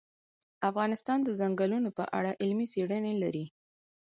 افغانستان د ځنګلونه په اړه علمي څېړنې لري.